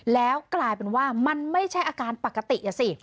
แล้วกลายเป็นว่ามันไม่ใช่อาการปกติอ่ะสิ